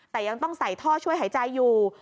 แต่ยังต้องใส่ท่อช่วยหายใจอยู่